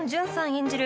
演じる